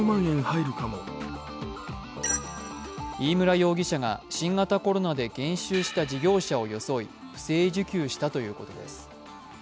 飯村容疑者が新型コロナで減収した事業者を装い不正受給したということです。